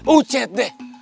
oh cid deh